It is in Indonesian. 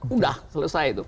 sudah selesai itu